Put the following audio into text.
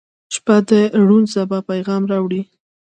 • شپه د روڼ سبا پیغام راوړي.